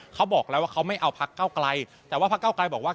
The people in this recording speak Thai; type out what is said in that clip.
เขาบอกแล้วว่าเขาไม่เอาพักเก้าไกลแต่ว่าพักเก้าไกลบอกว่า